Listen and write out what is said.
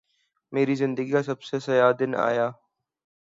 میری زندگی کا سب سے سیاہ دن آیا